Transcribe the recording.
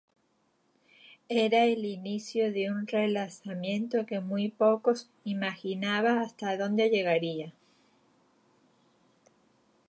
Era el inicio de un relanzamiento que muy pocos imaginaban hasta donde llegaría.